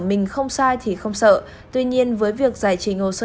mình không sai thì không sợ tuy nhiên với việc giải trình hồ sơ